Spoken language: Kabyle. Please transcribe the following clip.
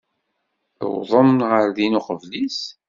Tuwḍem ɣer din uqbel-is.